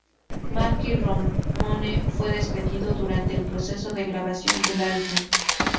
Marky Ramone fue despedido durante el proceso de grabación del álbum.